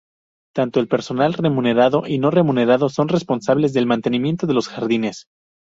Tanto el personal remunerado y no remunerado son responsables del mantenimiento de los jardines.